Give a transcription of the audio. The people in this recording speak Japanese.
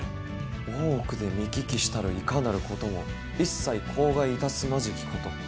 大奥で見聞きしたるいかなることも一切口外いたすまじきこと。